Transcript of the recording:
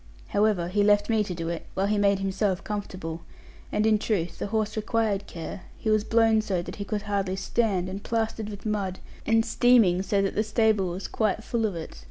However he left me to do it, while he made himself comfortable: and in truth the horse required care; he was blown so that he could hardly stand, and plastered with mud, and steaming so that the stable was quite full with it.